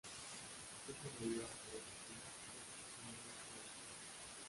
Es el mayor referente turístico y simbólico de la ciudad.